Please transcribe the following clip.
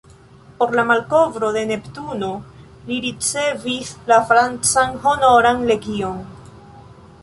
Por la malkovro de Neptuno li ricevis la francan Honoran Legion.